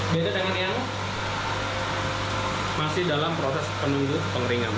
beda dengan yang masih dalam proses penunggu pengeringan